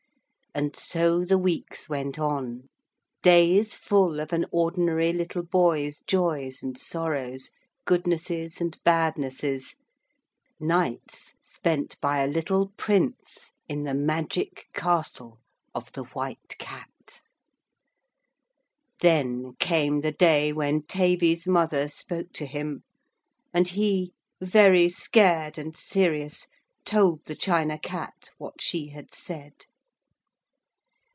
And so the weeks went on. Days full of an ordinary little boy's joys and sorrows, goodnesses and badnesses. Nights spent by a little Prince in the Magic Castle of the White Cat. Then came the day when Tavy's mother spoke to him, and he, very scared and serious, told the China Cat what she had said.